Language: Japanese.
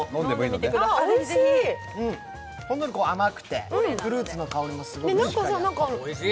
ほんのり甘くて、フルーツの香りもしっかりあって。